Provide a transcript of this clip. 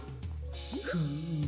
フーム。